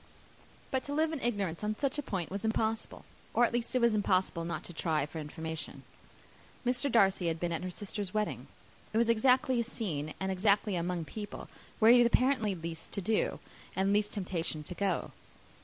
But to live in ignorance on such a point was impossible; or at least it was impossible not to try for information. Mr. Darcy had been at her sister's wedding. It was exactly a scene, and exactly among people, where he had apparently least to do, and least temptation to go.